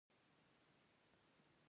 او کمنټونه به ټول عمر صرف ملکرو ته خلاص وي